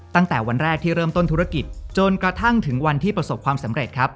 ตั้งแต่วันแรกที่เริ่มต้นธุรกิจจนกระทั่งถึงวันที่ประสบความสำเร็จครับ